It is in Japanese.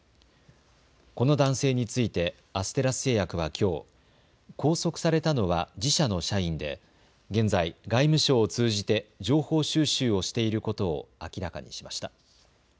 この男性についてアステラス製薬はきょう拘束されたのは自社の社員で現在、外務省を通じて情報収集をしていることを明らかにしました。